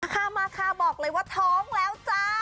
ฮามาค่ะบอกเลยว่าท้องแล้วจ้า